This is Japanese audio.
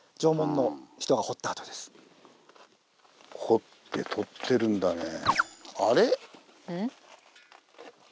掘ってとってるんだね。